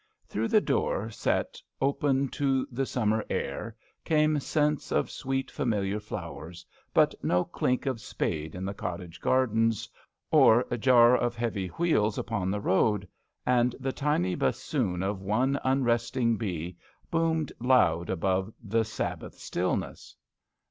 Through the door set open to the Bummer air came scents of sweet, familiar flowers, but no clink of spade in the cottage gardens or jar of heavy wheels upon the road, and the tiny bassoon of one unresting bee 152 GRANNY LOVELOCK AT HOME. boomed loud above the Sabbath stillness.